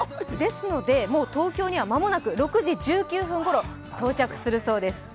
ですのでもう東京には間もなく６時１９分ごろ到着するそうです。